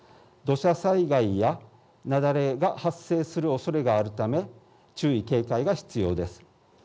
土砂災害や雪崩が発生するおそれがあるため注意、警戒が必要です。